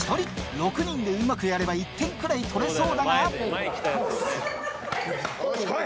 ６人でうまくやれば１点くらい取れそうだがよし来い！